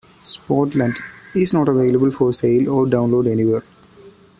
"Spodland" is not available for sale or download anywhere.